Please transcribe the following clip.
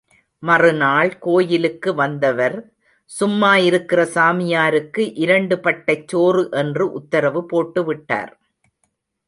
மறுநாள் கோயிலுக்கு வந்தவர், சும்மா இருக்கிற சாமியாருக்கு இரண்டு பட்டைச் சோறு என்று உத்தரவு போட்டுவிட்டார்.